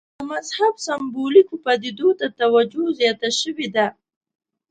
د مذهب سېمبولیکو پدیدو ته توجه زیاته شوې ده.